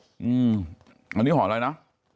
อืมอันนี้หออะไรนะ